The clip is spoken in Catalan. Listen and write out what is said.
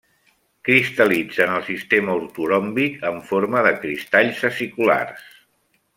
Cristal·litza en el sistema ortoròmbic en forma de cristalls aciculars.